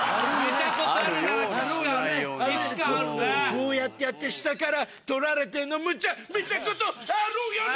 こうやってやって下から撮られてんのムチャ見たことあるーよね。